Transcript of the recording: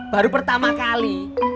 baru pertama kali